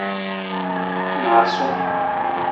Maasung.